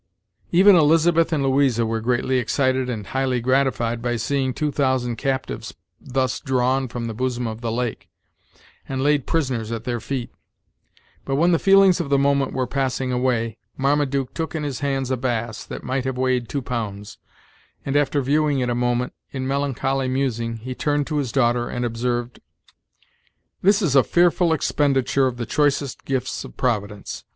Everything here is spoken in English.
Even Elizabeth and Louisa were greatly excited and highly gratified by seeing two thousand captives thus drawn from the bosom of the lake, and laid prisoners at their feet. But when the feelings of the moment were passing away, Marmaduke took in his hands a bass, that might have weighed two pounds, and after viewing it a moment, in melancholy musing, he turned to his daughter, and observed: "This is a fearful expenditure of the choicest gifts of Providence.